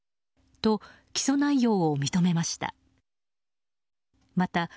と、起訴内容を認めました。